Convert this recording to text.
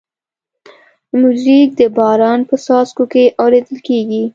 موزیک د باران په څاڅو کې اورېدل کېږي.